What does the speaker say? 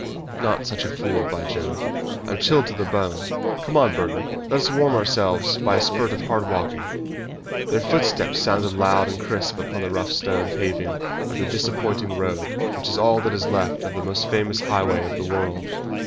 "Not such a fool! By Jove, I am chilled to the bone! Come on, Burger, let us warm ourselves by a spurt of hard walking." Their footsteps sounded loud and crisp upon the rough stone paving of the disappointing road which is all that is left of the most famous highway of the world.